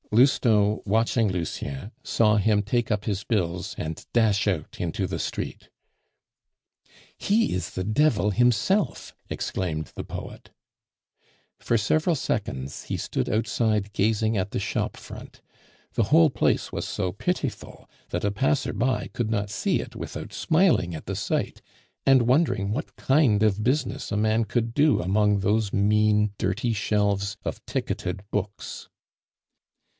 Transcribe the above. Lousteau, watching Lucien, saw him take up his bills, and dash out into the street. "He is the devil himself!" exclaimed the poet. For several seconds he stood outside gazing at the shop front. The whole place was so pitiful, that a passer by could not see it without smiling at the sight, and wondering what kind of business a man could do among those mean, dirty shelves of ticketed books.